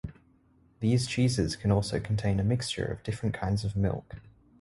These cheeses can also contain a mixture of different kinds of milk.